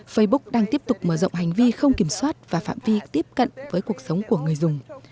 facebook đang tiếp tục mở rộng hành vi không kiểm soát và phạm vi tiếp cận với cuộc sống của người dùng